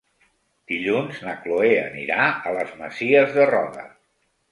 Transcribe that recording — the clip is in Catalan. Dilluns na Chloé anirà a les Masies de Roda.